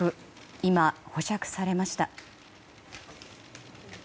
今、保釈されました。